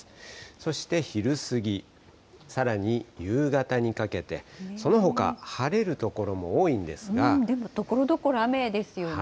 そして昼過ぎ、さらに夕方にかけて、でもところどころ雨ですよね。